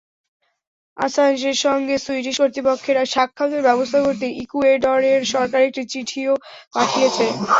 অ্যাসাঞ্জের সঙ্গে সুইডিশ কর্তৃপক্ষের সাক্ষাতের ব্যবস্থা করতে ইকুয়েডরের সরকার একটি চিঠিও পাঠিয়েছে।